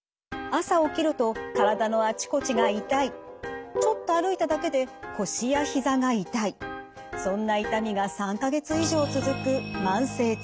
朝起きると体のあちこちが痛いちょっと歩いただけで腰やひざが痛いそんな痛みが３か月以上続く慢性痛。